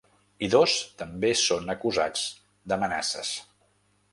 I dos també són acusats d’amenaces.